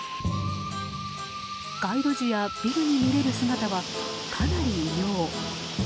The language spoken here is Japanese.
街路樹やビルに群れる姿はかなり、異様。